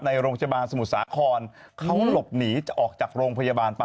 โรงพยาบาลสมุทรสาครเขาหลบหนีจะออกจากโรงพยาบาลไป